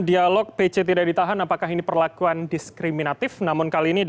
dalam pengungkapan ini